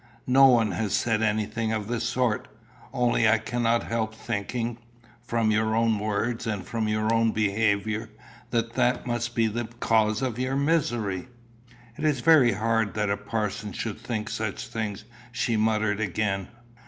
"No one has said anything of the sort. Only I cannot help thinking, from your own words and from your own behaviour, that that must be the cause of your misery." "It is very hard that the parson should think such things," she muttered again.